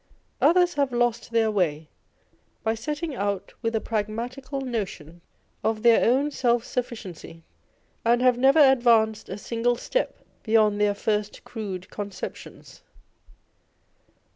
Others have lost their way by setting out with a pragmatical notion of 142 On Envy. their own self sufficiency, and have never advanced a single step beyond their first crude conceptions.